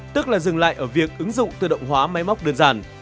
tức là dừng lại ở việc ứng dụng tự động hóa máy móc đơn giản